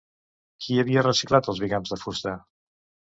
Qui havia reciclat els bigams de fusta?